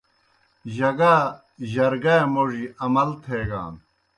جگا جرگائے موڙِجیْ امَل تھیگان۔